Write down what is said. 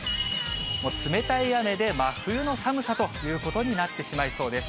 冷たい雨で真冬の寒さということになってしまいそうです。